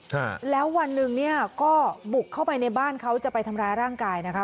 ฮะแล้ววันหนึ่งเนี่ยก็บุกเข้าไปในบ้านเขาจะไปทำร้ายร่างกายนะคะ